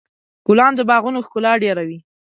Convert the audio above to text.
ګلان د باغونو ښکلا ډېروي.